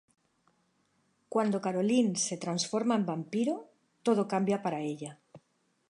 Cuando Caroline se transforma en vampiro, todo cambia para ella.